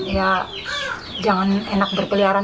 ya jangan enak berkeliaran